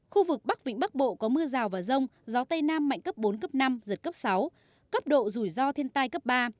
khu vực bắc vĩnh bắc bộ có mưa rào và rông gió tây nam mạnh cấp bốn cấp năm giật cấp sáu cấp độ rủi ro thiên tai cấp ba